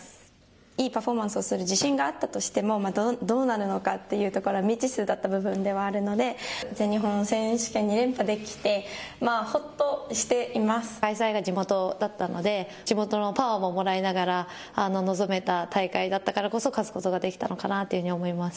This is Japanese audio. いいパフォーマンスをする自信があったとしてもどうなるのかというところ未知数だった分ではあるので全日本選手権２連覇できて開催が地元だったので地元のパワーももらいながら臨めた戦いだったからこそ勝つことができたのかなというふうに思います。